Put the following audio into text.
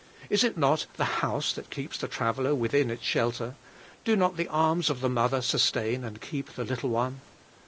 Is it not the house that keeps the traveller within its shelter? do not the arms of the mother sustain and keep the little one?